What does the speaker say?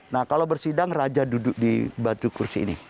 nah kalau bersidang raja duduk di batu kursi ini